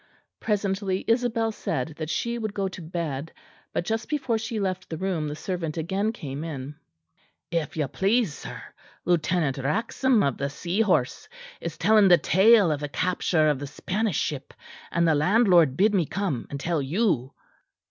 Presently Isabel said that she would go to bed, but just before she left the room, the servant again came in. "If you please, sir, Lieutenant Raxham, of the Seahorse, is telling the tale of the capture of the Spanish ship; and the landlord bid me come and tell you."